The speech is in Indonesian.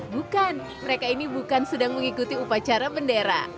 bukan mereka ini bukan sedang mengikuti upacara bendera